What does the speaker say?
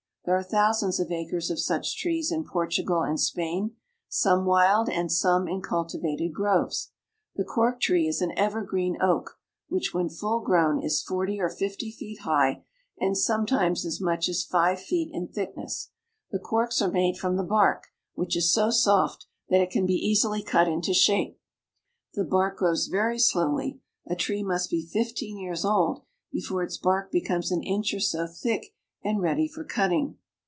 There are thousands of acres of such trees in Portugal and Spain, some wild and some in cultivated groves. The cork tree is an evergreen oak which, when full grown, is forty or fifty feet high and sometimes as much as five feet in thick ness. The corks are made from the bark, which is so soft that it can be easily cut into shape. The bark grows very slowly ; a tree must be fifteen years old before its bark be comes an inch or so thick and ready for cutting.